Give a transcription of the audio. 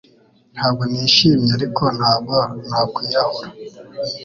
Ntabwo nishimye ariko ntabwo nakwiyahura